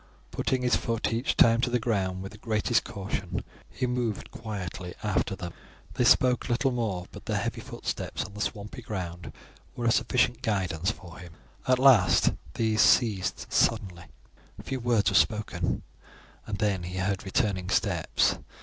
Putting his foot each time to the ground with the greatest caution, he moved quietly after them. They spoke little more, but their heavy footsteps on the swampy ground were a sufficient guidance for him. At last these ceased suddenly. A few words were spoken, and then he heard returning steps.